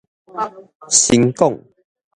神廣